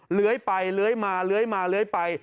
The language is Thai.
เลื้อยไปเลื้อยมาเลื้อยมาเลื้อยไป